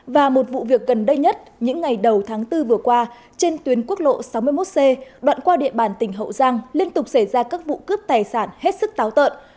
và một vụ việc gần đây nhất những ngày đầu tháng bốn vừa qua trên tuyến quốc lộ sáu mươi một c đoạn qua địa bàn tỉnh hậu giang liên tục xảy ra các vụ cướp tài sản hết sức táo tợn